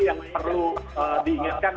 yang perlu diingatkan